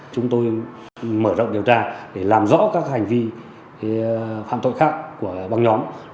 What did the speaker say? chúng tôi mở rộng điều tra để làm rõ các hành vi phạm tội khác của băng nhóm